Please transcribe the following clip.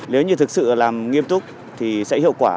nếu như thực sự làm nghiêm túc thì sẽ hiệu quả